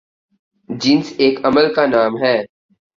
جنس ایک عمل کا نام ہے